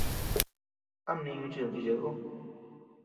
¿A mniñu chid nichid ú?